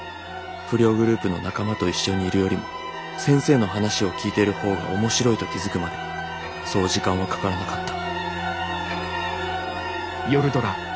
不良グループの仲間と一緒にいるよりも先生の話を聞いてるほうが面白いと気づくまでそう時間はかからなかった」。